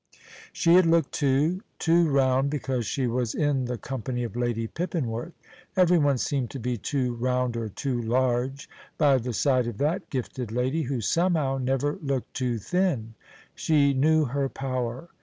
She had looked too, too round because she was in the company of Lady Pippinworth. Everyone seemed to be too round or too large by the side of that gifted lady, who somehow never looked too thin. She knew her power.